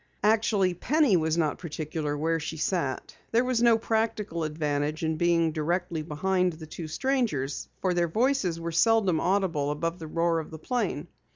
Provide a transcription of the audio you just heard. Actually, Penny was not particular where she sat. There was no practical advantage in being directly behind the two strangers, for their voices were seldom audible above the roar of the plane.